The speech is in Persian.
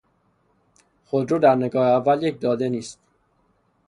خودرو در نگاه اول یک داده نیست